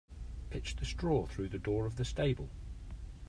Pitch the straw through the door of the stable.